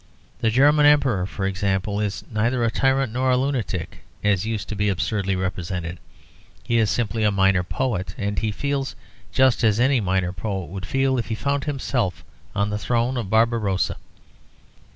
The German Emperor, for example, is neither a tyrant nor a lunatic, as used to be absurdly represented; he is simply a minor poet; and he feels just as any minor poet would feel if he found himself on the throne of Barbarossa.